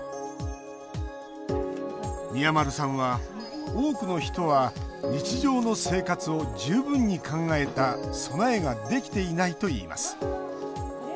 宮丸さんは、多くの人は日常の生活を十分に考えた備えができていないといいます。